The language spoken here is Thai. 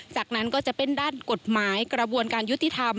จากนั้นก็จะเป็นด้านกฎหมายกระบวนการยุติธรรม